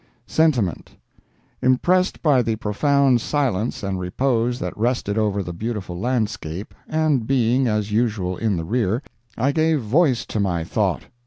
SENTIMENT Impressed by the profound silence and repose that rested over the beautiful landscape, and being, as usual, in the rear, I gave voice to my thought.